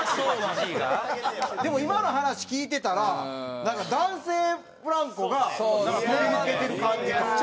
でも今の話聞いてたらなんか男性ブランコが飛び抜けてる感じ。